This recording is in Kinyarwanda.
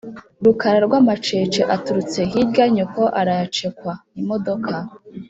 Rukara rw'amacece aturutse hirya nyoko arayacekwa.-Imodoka.